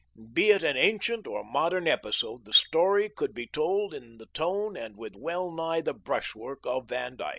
Be it an ancient or modern episode, the story could be told in the tone and with well nigh the brushwork of Van Dyck.